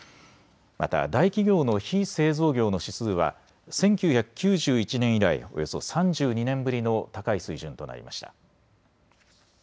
また大企業の非製造業の指数は１９９１年以来およそ３２年ぶりの高い水準となりました。